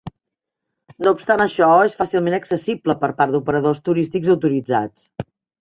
No obstant això, és fàcilment accessible per part d'operadors turístics autoritzats.